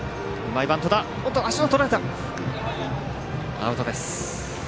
アウトです。